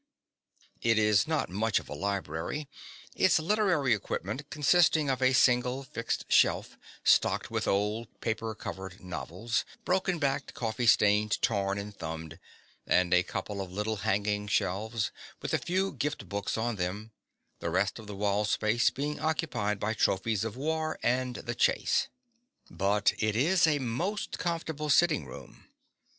It is not much of a library, its literary equipment consisting of a single fixed shelf stocked with old paper covered novels, broken backed, coffee stained, torn and thumbed, and a couple of little hanging shelves with a few gift books on them, the rest of the wall space being occupied by trophies of war and the chase. But it is a most comfortable sitting room.